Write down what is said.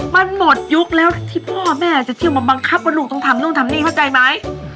มันหมดยุคแล้วที่พ่อแม่จะเที่ยวมาบังคับว่าลูกต้องทำนู่นทำนี่เข้าใจไหม